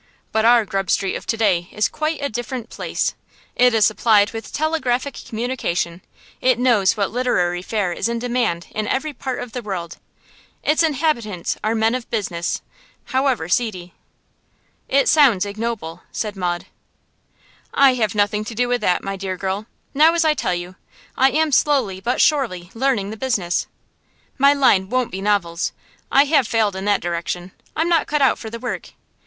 But our Grub Street of to day is quite a different place: it is supplied with telegraphic communication, it knows what literary fare is in demand in every part of the world, its inhabitants are men of business, however seedy.' 'It sounds ignoble,' said Maud. 'I have nothing to do with that, my dear girl. Now, as I tell you, I am slowly, but surely, learning the business. My line won't be novels; I have failed in that direction, I'm not cut out for the work.